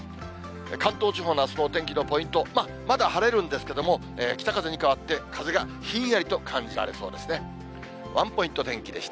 関東地方のあすのお天気のポイント、まだ晴れるんですけれども、北風に変わって風がひんやりと感じられそうですね。